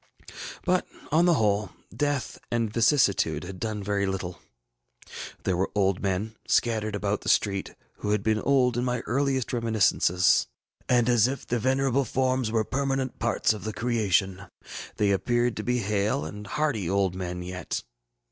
But, on the whole, death and vicissitude had done very little. There were old men, scattered about the street, who had been old in my earliest reminiscences; and, as if their venerable forms were permanent parts of the creation, they appeared to be hale and hearty old men yet.